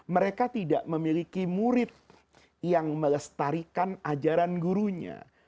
mereka tidak memiliki murid yang melestarikan ajaran gurunya